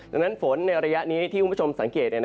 ดังนั้นฝนในระยะนี้ที่คุณผู้ชมสังเกต